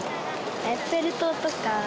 エッフェル塔とか。